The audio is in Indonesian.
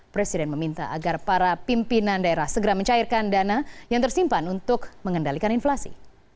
presiden meminta agar para pimpinan daerah segera mencairkan dana yang tersimpan untuk mengendalikan inflasi